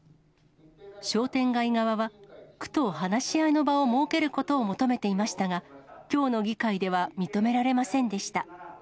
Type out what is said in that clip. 商店街側は、区と話し合いの場を設けることを求めていましたが、きょうの議会では認められませんでした。